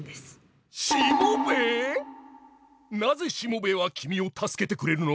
なぜしもべえは君を助けてくれるの？